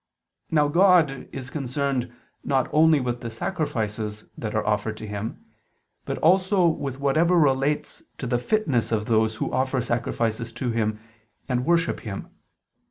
Now God is concerned not only with the sacrifices that are offered to Him, but also with whatever relates to the fitness of those who offer sacrifices to Him and worship Him.